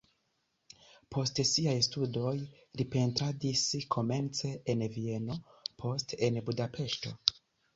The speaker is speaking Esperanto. Post siaj studoj li pentradis komence en Vieno, poste en Budapeŝto.